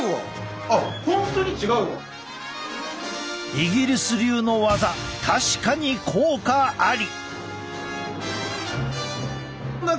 イギリス流のワザ確かに効果あり！